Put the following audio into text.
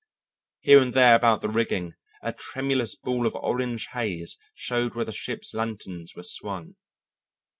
Here and there about the rigging a tremulous ball of orange haze showed where the ship's lanterns were swung.